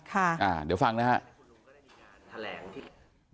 ค่ะอ่าเดี๋ยวฟังนะฮะ